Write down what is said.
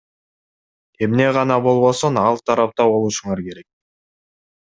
Эмне гана болбосун ал тарапта болушуңар керек.